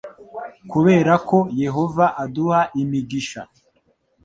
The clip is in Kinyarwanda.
kubera ko Yehova aduha imigisha